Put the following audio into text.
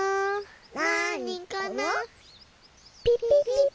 なにかなピピピピ。